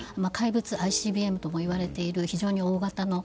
怪物ＩＣＢＭともいわれている非常に大型のＩＣＢＭと